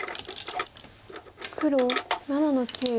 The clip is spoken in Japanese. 黒７の九。